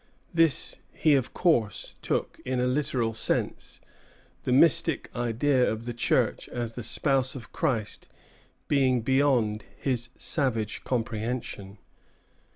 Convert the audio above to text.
This he of course took in a literal sense, the mystic idea of the Church as the spouse of Christ being beyond his savage comprehension.